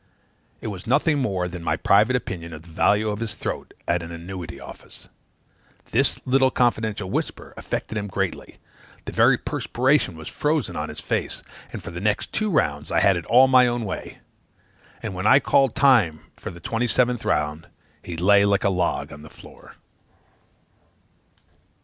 It was nothing more than my private opinion of the value of his throat at an annuity office. This little confidential whisper affected him greatly; the very perspiration was frozen on his face, and for the next two rounds I had it all my own way. And when I called time for the twenty seventh round, he lay like a log on the floor."